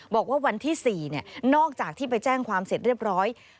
วันที่๔นอกจากที่ไปแจ้งความเสร็จเรียบร้อย